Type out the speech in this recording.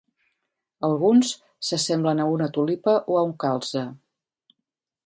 Alguns s'assemblen a una tulipa o a un calze.